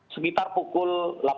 semitar pukul delapan belas tiga puluh